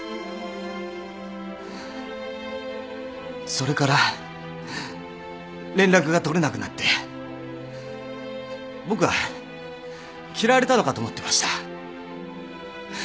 それから連絡が取れなくなって僕は嫌われたのかと思ってました。